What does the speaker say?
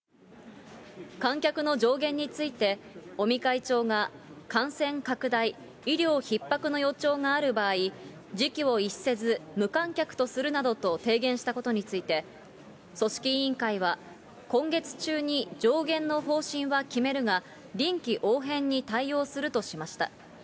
観客の上限について、尾身会長が感染拡大、医療ひっ迫の予兆がある場合、時機を逸せず無観客とするなどと提言したことについて、組織委員会は、今月中に、上限の方針は決めるが、臨機応変に対応するとしました。